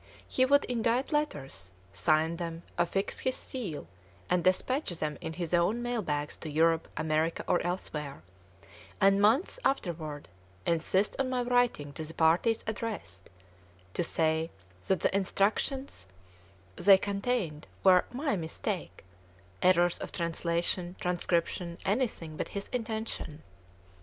He would indite letters, sign them, affix his seal, and despatch them in his own mail bags to Europe, America, or elsewhere; and, months afterward, insist on my writing to the parties addressed, to say that the instructions they contained were my mistake, errors of translation, transcription, anything but his intention.